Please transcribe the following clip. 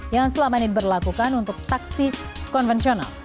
yang selama ini diberlakukan untuk taksi konvensional